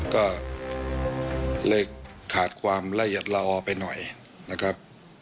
ก็เลยขาดความละเอียดละออไปหน่อยนะครับ